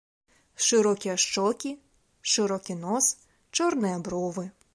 Шырокія шчокі, шырокі нос, чорныя бровы.